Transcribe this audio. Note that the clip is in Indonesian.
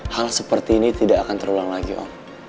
hal seperti ini tidak akan terulang lagi orang